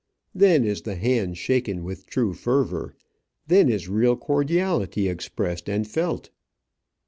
Then is the hand shaken with true fervour; then is real cordiality expressed and felt.